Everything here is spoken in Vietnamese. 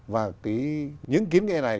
và những kiến nghị này